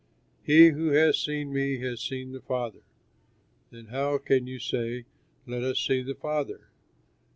He who has seen me has seen the Father; then how can you say, 'Let us see the Father'?